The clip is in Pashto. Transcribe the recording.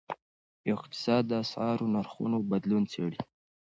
اقتصاد د اسعارو نرخونو بدلون څیړي.